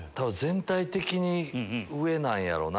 全体的に上なんやろな。